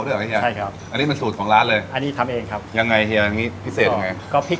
ลองชิมน้ำซุปก่อนนะครับโอเค